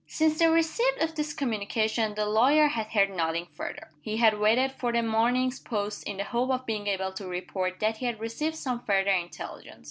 Since the receipt of this communication the lawyer had heard nothing further. He had waited for the morning's post in the hope of being able to report that he had received some further intelligence.